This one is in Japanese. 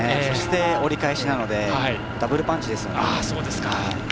そして、折り返しですのでダブルパンチですね。